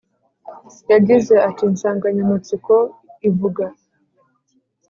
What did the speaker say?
Yagize ati Insanganyamatsiko ivuga